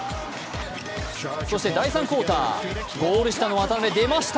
そして第３クオーター、ゴール下の渡邊、出ました。